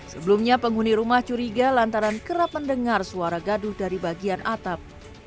sebelumnya penghuni rumah curiga lantaran kerap mendengar suara gaduh dari bagian atap